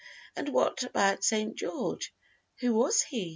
And what about St. George who was he?"